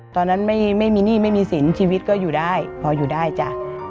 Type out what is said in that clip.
ตอนนั้นไม่มีหนี้ไม่มีสินชีวิตก็อยู่ได้พออยู่ได้จ้ะ